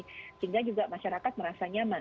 sehingga juga masyarakat merasa nyaman